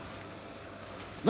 何？